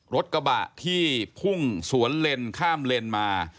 รถกระบะที่พุ่งสวนเลนข้ามเลนมา